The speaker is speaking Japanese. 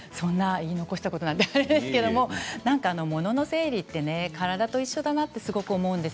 言い残したことはないですけど、ものの整理って体と一緒だなとすごく思うんです。